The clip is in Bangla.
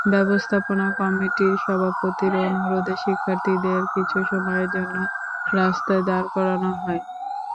ব্যবস্থাপনা কমিটির সভাপতির অনুরোধে শিক্ষার্থীদের কিছু সময়ের জন্য রাস্তায় দাঁড় করানো হয়।